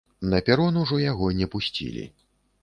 На перон ужо яго не пусцілі.